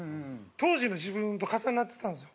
当時の自分と重なってたんですよ。